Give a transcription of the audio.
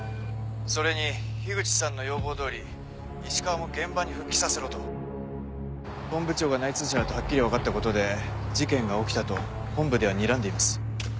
それに口さんの要望通り石川も本部長が内通者だとはっきり分かったことで事件が起きたと本部ではにらんでいます。